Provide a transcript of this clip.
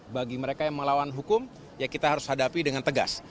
bagi mereka yang melawan hukum ya kita harus hadapi dengan tegas